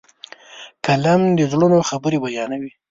قلم د زړونو خبرې بیانوي.